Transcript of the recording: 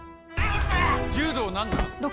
柔道何段？